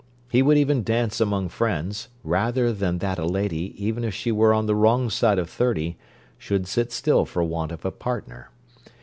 He would even dance among friends, rather than that a lady, even if she were on the wrong side of thirty, should sit still for want of a partner.